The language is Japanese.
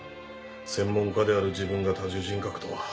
専門家である自分が多重人格とは。